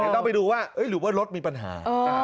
ต้องไปดูว่าหรือว่ารถมีปัญหา